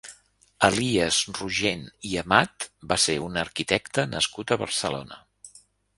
Elies Rogent i Amat va ser un arquitecte nascut a Barcelona.